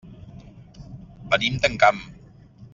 Venim d'Encamp.